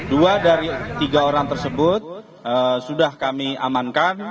dua dari tiga orang tersebut sudah kami amankan